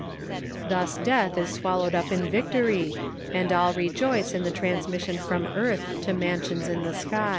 Thus death is swallowed up in victory, and all rejoice iJi the transmission from earth to mansions in the skies.